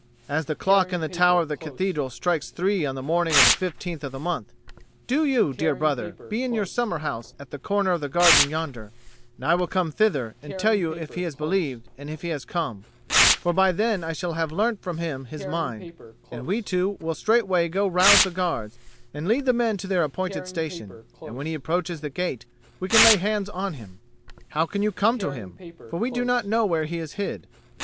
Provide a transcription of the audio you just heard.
"As the clock in the tower of the cathedral strikes three on the morning of the 15th of the month, do you, dear brother, be in your summer house at the corner of the garden yonder; and I will come thither and tell you if he has believed and if he has come. For by then I shall have learnt from him his mind: and we two will straightway go rouse the guards and lead the men to their appointed station, and when he approaches the gate we can lay hands on him." "How can you come to him? For we do not know where he is hid."